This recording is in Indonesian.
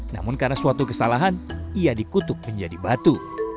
namun karena suatu kesalahan ia dikutuk menjadi batu